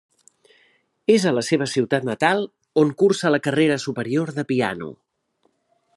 És a la seva ciutat natal on cursa la Carrera Superior de piano.